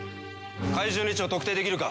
怪獣の位置を特定できるか？